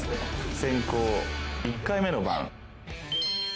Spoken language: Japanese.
先攻１回目の番。